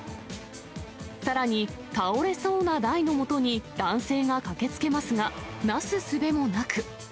さらに、倒れそうな台のもとに男性が駆けつけますが、なすすべもなく。